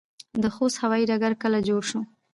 د خوست هوايي ډګر کله جوړ شو؟